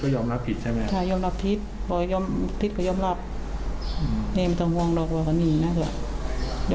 อยากจะโกรธโทรเทรนเขาซะเลย